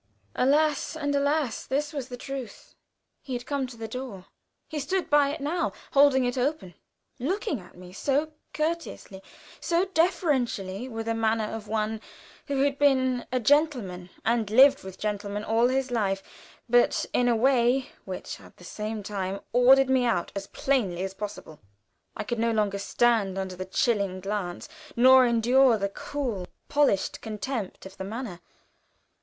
Alas! and alas! this was the truth! He had come to the door; he stood by it now, holding it open, looking at me so courteously, so deferentially, with a manner of one who had been a gentleman and lived with gentlemen all his life, but in a way which at the same time ordered me out as plainly as possible. I went to the door. I could no longer stand under that chilling glance, nor endure the cool, polished contempt of the manner.